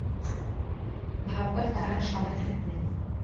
ভাববার তাহার সময় থাকে নাই।